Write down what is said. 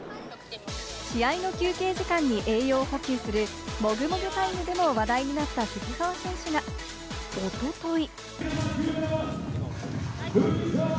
試合の休憩時間に栄養補給する、もぐもぐタイムでも話題になった藤澤選手がおととい。